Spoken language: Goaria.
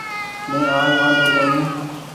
مينٚ آج وآۮو ڪونيٚ